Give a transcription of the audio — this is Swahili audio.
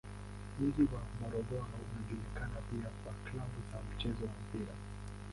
Mji wa Morogoro unajulikana pia kwa klabu za mchezo wa mpira.